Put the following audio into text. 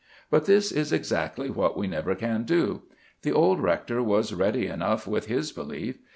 But this is exactly what we never can do. The old rector was ready enough with his belief.